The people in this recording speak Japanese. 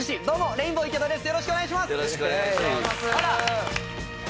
レインボー池田記者。